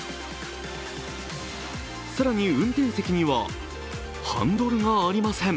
更に、運転席にはハンドルがありません。